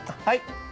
はい。